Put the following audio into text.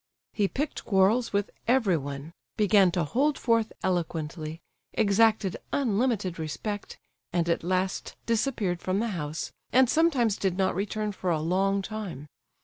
He picked quarrels with everyone, began to hold forth eloquently, exacted unlimited respect, and at last disappeared from the house, and sometimes did not return for a long time.